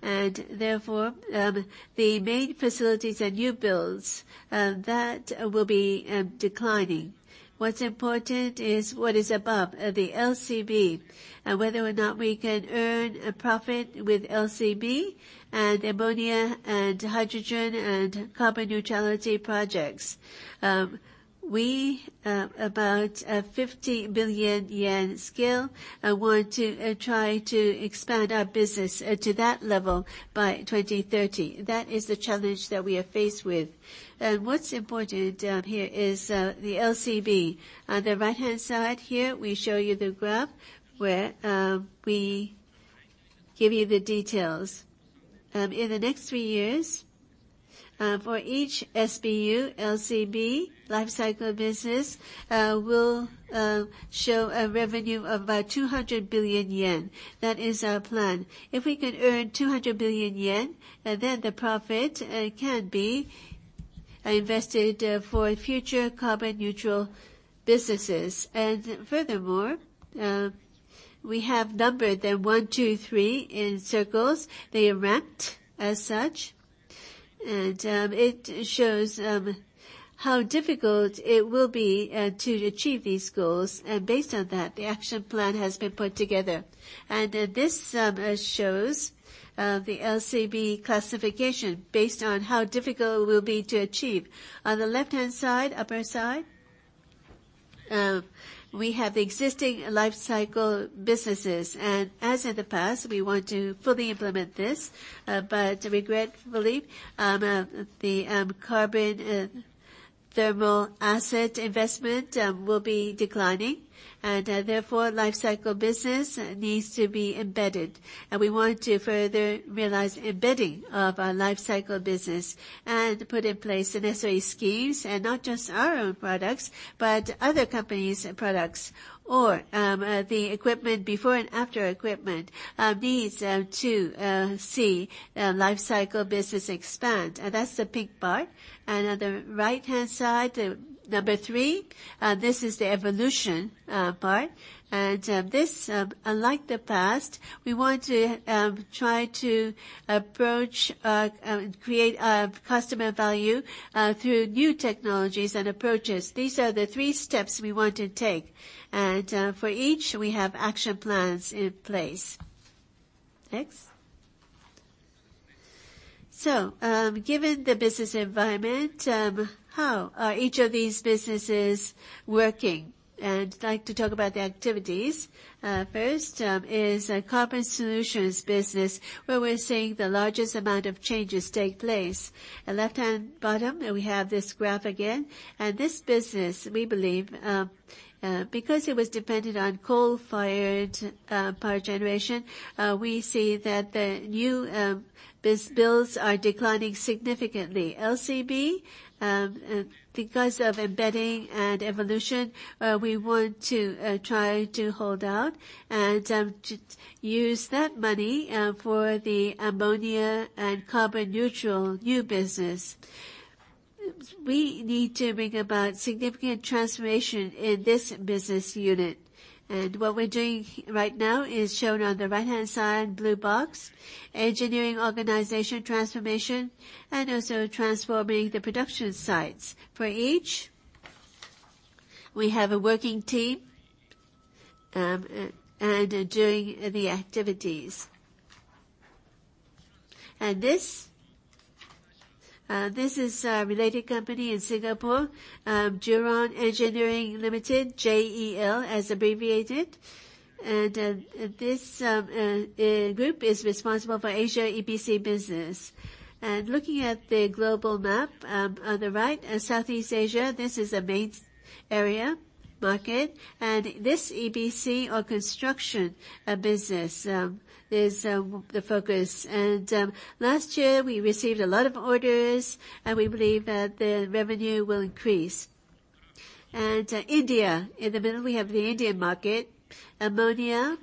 and therefore the main facilities and new builds that will be declining. What's important is what is above the LCB, and whether or not we can earn a profit with LCB, and ammonia, and hydrogen, and carbon neutrality projects. We about 50 billion yen scale want to try to expand our business to that level by 2030. That is the challenge that we are faced with. What's important here is the LCB. On the right-hand side here, we show you the graph, where we give you the details. In the next three years, for each SBU, LCB, lifecycle business, will show a revenue of about 200 billion yen. That is our plan. If we could earn 200 billion yen, then the profit can be invested for future carbon neutral businesses. Furthermore, we have numbered them one, two, three in circles. They are ranked as such. It shows how difficult it will be to achieve these goals, and based on that, the action plan has been put together. This shows the LCB classification based on how difficult it will be to achieve. On the left-hand side, upper side, we have the existing lifecycle businesses, and as in the past, we want to fully implement this, but regretfully, the carbon thermal asset investment will be declining, and therefore, life cycle business needs to be embedded. We want to further realize embedding of our life cycle business and put in place the necessary skills, and not just our own products, but other companies' products or the equipment before and after equipment needs to see life cycle business expand. That's the pink bar. On the right-hand side, the number three, this is the evolution part. And, this, unlike the past, we want to, try to approach, create customer value, through new technologies and approaches. These are the three steps we want to take, and, for each, we have action plans in place. Next. So, given the business environment, how are each of these businesses working? And I'd like to talk about the activities. First, is the Carbon solutions business, where we're seeing the largest amount of changes take place. At left-hand bottom, and we have this graph again, and this business, we believe, because it was dependent on coal-fired power generation, we see that the new builds are declining significantly. LCB, because of embedding and evolution, we want to try to hold out and to use that money for the ammonia and carbon neutral new business. We need to bring about significant transformation in this business unit. What we're doing right now is shown on the right-hand side, blue box, engineering organization transformation, and also transforming the production sites. For each, we have a working team and doing the activities. This is a related company in Singapore, Jurong Engineering Limited, JEL as abbreviated. This group is responsible for Asia EPC business. Looking at the global map on the right, Southeast Asia, this is a main area, market. This EPC or construction business is the focus. And last year, we received a lot of orders, and we believe that the revenue will increase. And India, in the middle, we have the Indian market. Ammonia.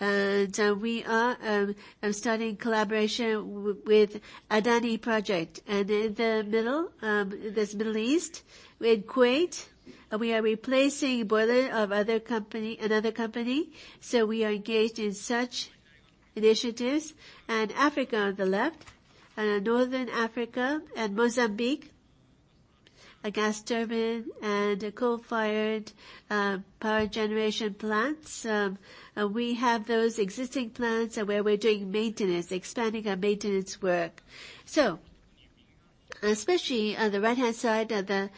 And we are starting collaboration with Adani project. And in the middle, there's Middle East, with Kuwait, we are replacing boiler of other company, another company, so we are engaged in such initiatives. And Africa on the left, and Northern Africa and Mozambique, a gas turbine and a coal-fired power generation plants. We have those existing plants where we're doing maintenance, expanding our maintenance work. So especially on the right-hand side, the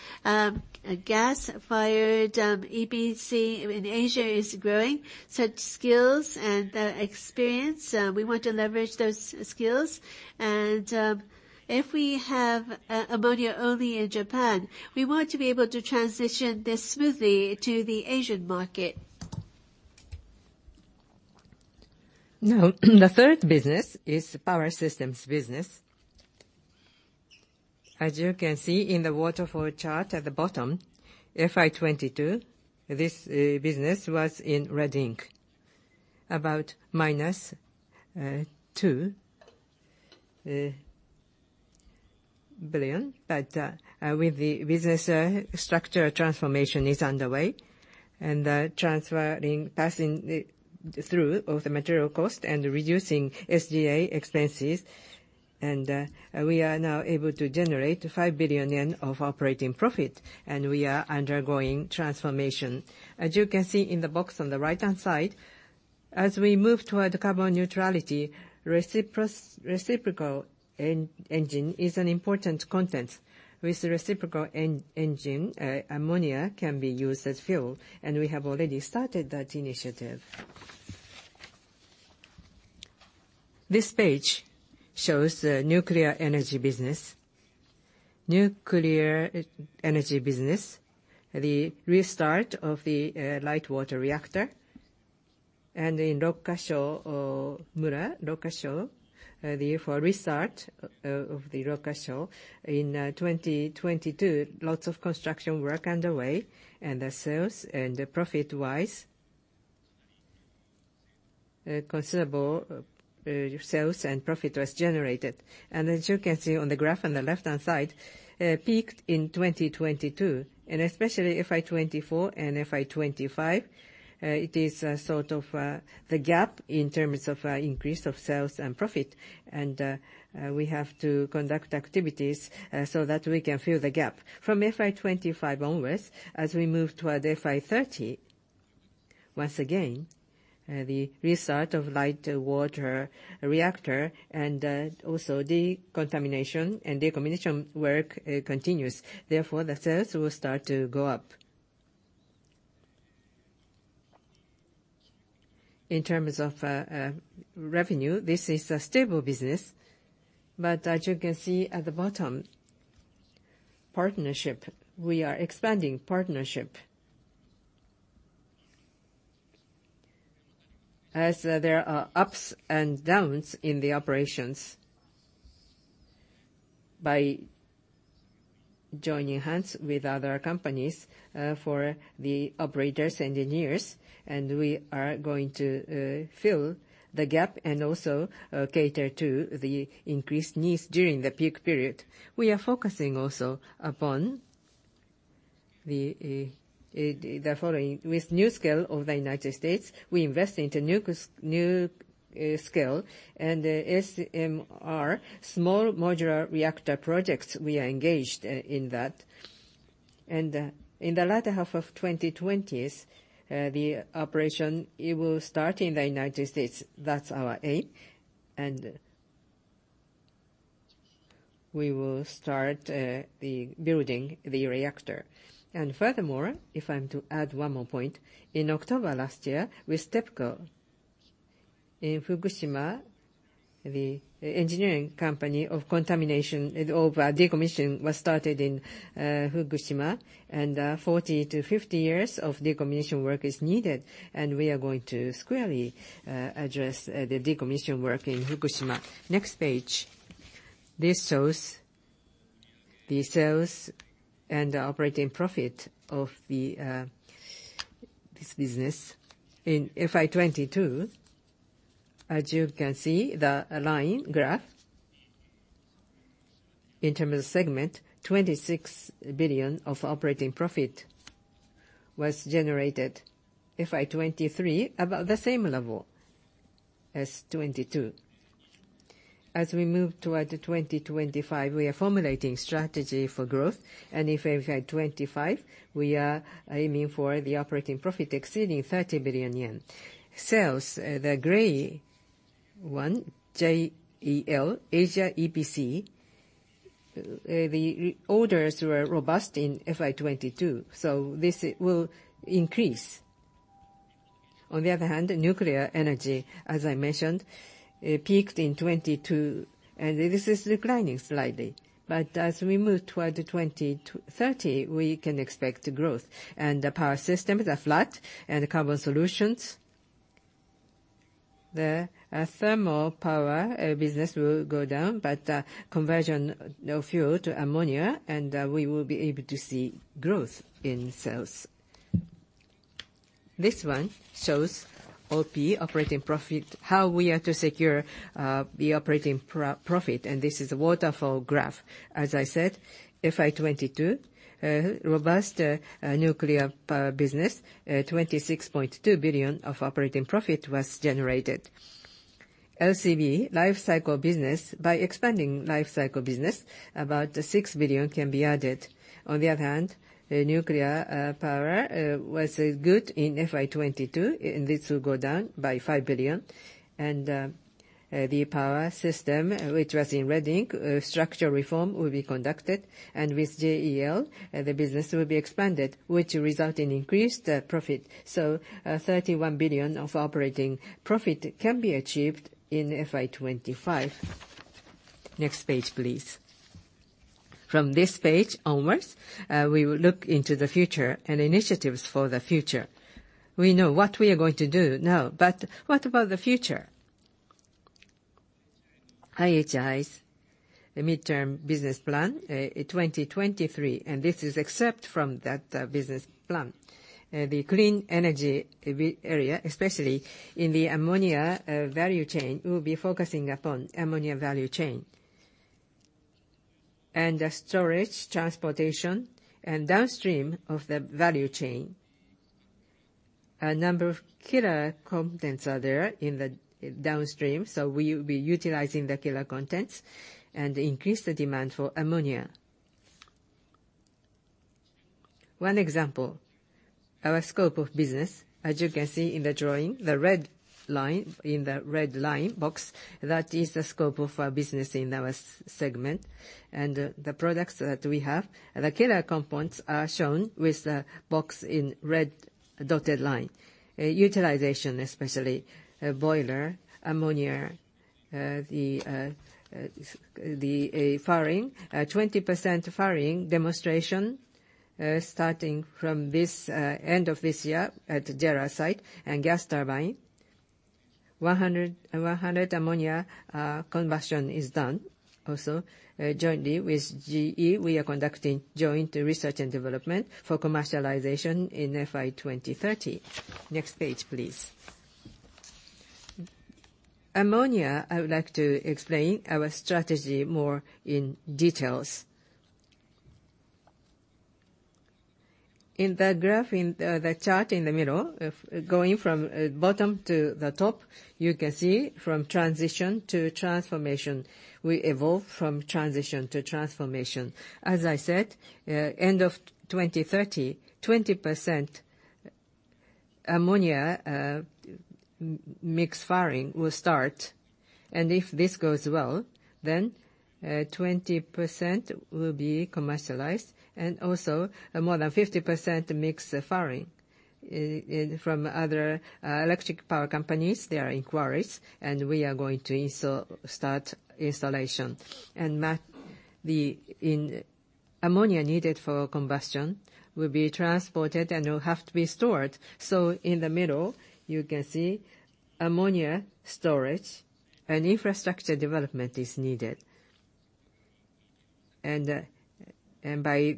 gas-fired EPC in Asia is growing. Such skills and the experience, we want to leverage those skills. If we have ammonia only in Japan, we want to be able to transition this smoothly to the Asian market. Now, the third business is power systems business. As you can see in the waterfall chart at the bottom, FY 2022, this business was in red ink, about minus 2 billion. But with the business structure transformation is underway, and transferring, passing the through of the material cost and reducing SG&A expenses, and we are now able to generate 5 billion yen of Operating Profit, and we are undergoing transformation. As you can see in the box on the right-hand side, as we move toward carbon neutrality, reciprocating engine is an important content. With reciprocating engine, ammonia can be used as fuel, and we have already started that initiative. This page shows the nuclear energy business. Nuclear energy business, the restart of the light water reactor, and in Rokkasho-mura, therefore, restart of the Rokkasho in 2022, lots of construction work underway, and the sales and the profit-wise, considerable sales and profit was generated. As you can see on the graph on the left-hand side, peaked in 2022, and especially FY 2024 and FY 2025, it is a sort of the gap in terms of increase of sales and profit. We have to conduct activities so that we can fill the gap. From FY 2025 onwards, as we move toward FY 2030, once again, the restart of light water reactor and also decontamination and decommission work continues. Therefore, the sales will start to go up. In terms of revenue, this is a stable business. But as you can see at the bottom, partnership, we are expanding partnership. As there are ups and downs in the operations, by joining hands with other companies, for the operators, engineers, and we are going to fill the gap and also cater to the increased needs during the peak period. We are focusing also upon the following. With NuScale of the United States, we invest into NuScale and SMR, small modular reactor projects, we are engaged in that. And in the latter half of 2020s, the operation, it will start in the United States. That's our aim, and we will start the building the reactor. Furthermore, if I'm to add one more point, in October last year with TEPCO in Fukushima, the engineering company for decontamination and decommissioning was started in Fukushima, and 40-50 years of decommissioning work is needed, and we are going to squarely address the decommissioning work in Fukushima. Next page. This shows the sales and Operating Profit of this business. In FY 2022, as you can see, the line graph, in terms of segment, 26 billion of Operating Profit was generated. FY 2023, about the same level as 2022. As we move toward 2025, we are formulating strategy for growth, and in FY 2025, we are aiming for the Operating Profit exceeding 30 billion yen. Sales, the gray one, JEL Asia EPC, the orders were robust in FY 2022, so this will increase. On the other hand, nuclear energy, as I mentioned, it peaked in 2022, and this is declining slightly. But as we move toward 2030, we can expect growth, and the power system is flat and carbon solutions. The thermal power business will go down, but conversion of fuel to ammonia, and we will be able to see growth in sales. This one shows OP, Operating Profit, how we are to secure the Operating Profit, and this is a waterfall graph. As I said, FY 2022 robust nuclear power business 26.2 billion of Operating Profit was generated. LCB, lifecycle business, by expanding lifecycle business, about 6 billion can be added. On the other hand, the nuclear power was good in FY 2022, and this will go down by 5 billion. The power system, which was in red ink, structural reform will be conducted, and with JEL, the business will be expanded, which will result in increased profit. So, 31 billion of Operating Profit can be achieved in FY 2025. Next page, please. From this page onwards, we will look into the future and initiatives for the future. We know what we are going to do now, but what about the future? IHI's Midterm Business Plan 2023, and this is excerpt from that business plan. The clean energy area, especially in the ammonia value chain, we'll be focusing upon ammonia value chain. And the storage, transportation, and downstream of the value chain, a number of killer contents are there in the downstream, so we will be utilizing the killer contents and increase the demand for ammonia. One example, our scope of business. As you can see in the drawing, the red line, in the red line box, that is the scope of our business in our segment. And the products that we have, the killer components are shown with the box in red dotted line. Utilization, especially boiler, ammonia, the firing, 20% firing demonstration, starting from this end of this year at JERA site, and gas turbine. 100% ammonia combustion is done. Also, jointly with GE, we are conducting joint research and development for commercialization in FY 2030. Next page, please. Ammonia, I would like to explain our strategy more in details. In the graph, in the chart in the middle, going from bottom to the top, you can see from transition to transformation. We evolve from transition to transformation. As I said, end of 2030, 20% ammonia mix firing will start. And if this goes well, then 20% will be commercialized, and also more than 50% mix firing. From other electric power companies, there are inquiries, and we are going to start installation. And the ammonia needed for combustion will be transported and will have to be stored. So in the middle, you can see ammonia storage and infrastructure development is needed. And by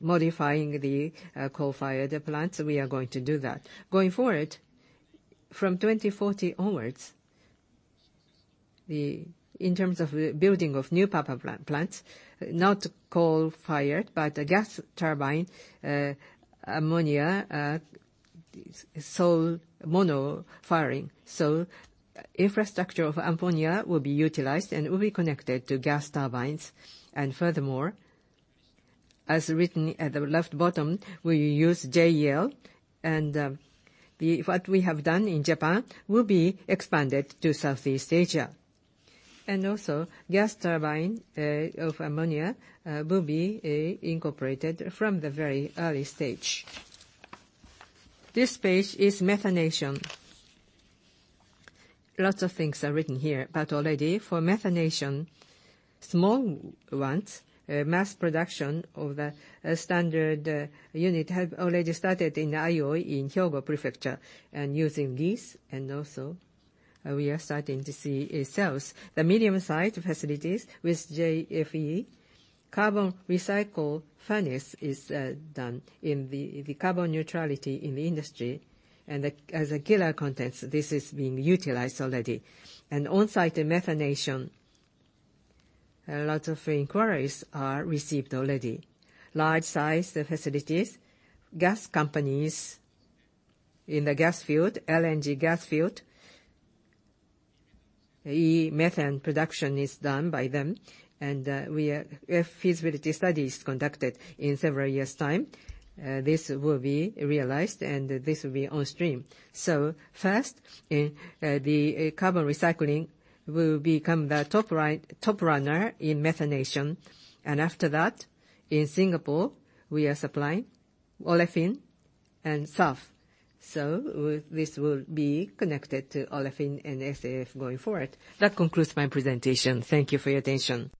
modifying the coal-fired plants, we are going to do that. Going forward, from 2040 onwards, in terms of the building of new power plants, not coal-fired, but a gas turbine ammonia, so mono firing. So infrastructure of ammonia will be utilized and will be connected to gas turbines. Furthermore, as written at the left bottom, we use JEL, and what we have done in Japan will be expanded to Southeast Asia. Also, gas turbine of ammonia will be incorporated from the very early stage. This page is methanation. Lots of things are written here, but already for methanation, small ones mass production of the standard unit have already started in Aioi, in Hyogo Prefecture, and using these, and also we are starting to see sales. The medium-sized facilities with JFE, carbon recycle furnace is done in the carbon neutrality in the industry. And as a GHG contents, this is being utilized already. On-site methanation, a lot of inquiries are received already. Large-sized facilities, gas companies in the gas field, LNG gas field, the methane production is done by them. And we are, we have feasibility studies conducted in several years' time. This will be realized, and this will be on stream. So first, in the carbon recycling will become the top runner in methanation. And after that, in Singapore, we are supplying olefin and SAF. So this will be connected to olefin and SAF going forward. That concludes my presentation. Thank you for your attention.